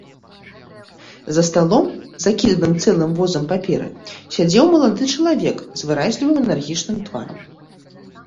За сталом, закіданым цэлым возам паперы, сядзеў малады чалавек з выразлівым энергічным тварам.